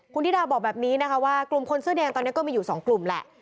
คุณธิดาบอกแบบนี้นะคะว่ากลุ่มคนเสื้อแดงตอนนี้ก็มีอยู่๒กลุ่มแหละ